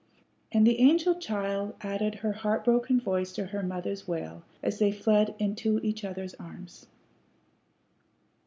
And the angel child added her heart broken voice to her mother's wail as they fled into each other's arms.